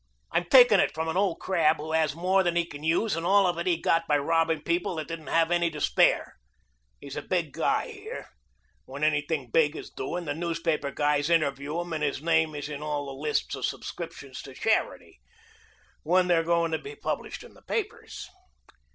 "I'm taking it from an old crab who has more than he can use, and all of it he got by robbing people that didn't have any to spare. He's a big guy here. When anything big is doing the newspaper guys interview him and his name is in all the lists of subscriptions to charity when they're going to be published in the papers.